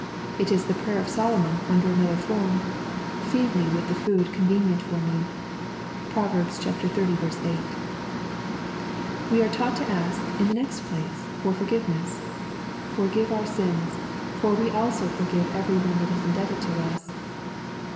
It is the prayer of Solomon under another form, " Feed me with food convenient for me." (Prov. xxx. 8.) We are taught to ask, in the next place, for forgive ness :" Forgive us our sins, for we also forgive every one that is indebted to us."